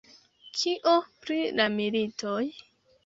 Kio pri la militoj?